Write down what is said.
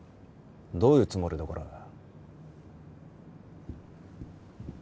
どういうつもりだコラ。